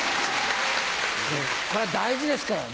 これは大事ですからね。